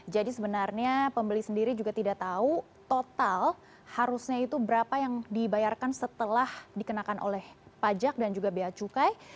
jadi sebenarnya pembeli sendiri juga tidak tahu total harusnya itu berapa yang dibayarkan setelah dikenakan oleh pajak dan juga biaya cukai